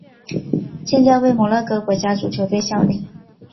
现在为摩洛哥国家足球队效力。